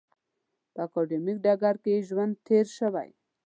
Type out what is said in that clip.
په اکاډمیک ډګر کې یې ژوند تېر شوی.